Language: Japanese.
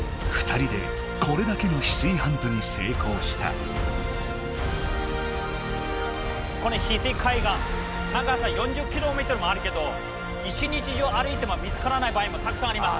このヒスイ海岸長さ４０キロメートルもあるけど一日中歩いても見つからない場合もたくさんあります。